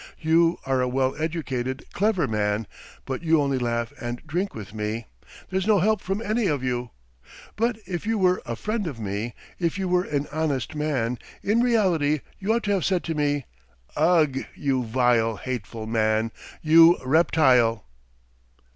You are a well educated, clever man, but you only laugh and drink with me ... there's no help from any of you. ... But if you were a friend to me, if you were an honest man, in reality you ought to have said to me: 'Ugh, you vile, hateful man! You reptile!'"